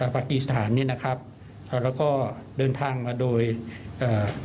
ประติศาสตร์นี้นะครับแล้วก็เดินทางมาโดยเอ่อ